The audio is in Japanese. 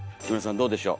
どうでしょう？